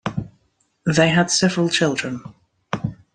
They had several children.